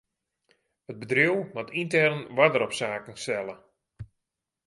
It bedriuw moat yntern oarder op saken stelle.